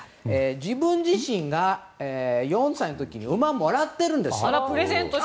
自分自身が４歳の時に馬をもらってるんですよ。